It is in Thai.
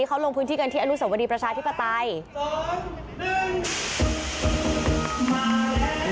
เขาลงพื้นที่กันที่อารุสวรรค์วันนี้ประชาธิปัตย์สองหนึ่ง